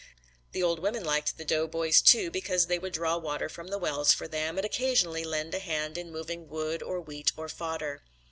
The old women liked the doughboys too because they would draw water from the wells for them and occasionally lend a hand in moving wood or wheat or fodder.